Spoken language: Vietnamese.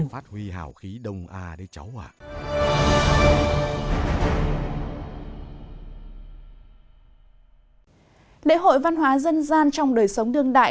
lễ hội văn hóa dân gian trong đời sống đương đại